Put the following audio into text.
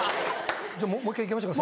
じゃあもう１回行きましょうか。